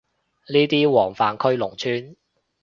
呢啲黃泛區農村